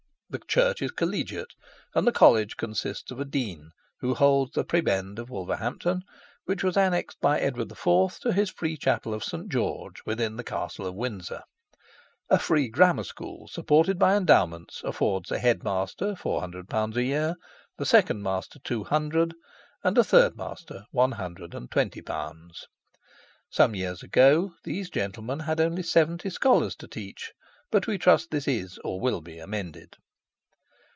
The Church is collegiate, and the College consists of a dean, who holds the prebend of Wolverhampton, which was annexed by Edward IV. to his free chapel of St. George, within the Castle of Windsor. A Free Grammar School, supported by endowments, affords a head master 400 pounds a year; the second master 200 pounds; and a third master 120 pounds. Some years ago these gentlemen had only seventy scholars to teach, but we trust this is, or will be, amended.